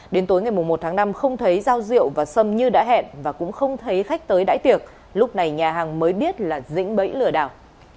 đến tối ngày một tháng năm không thấy giao rượu và xâm như đã hẹn và cũng không thấy khách tới đãi tiệc lúc này nhà hàng mới biết là dĩnh bẫy lừa đảo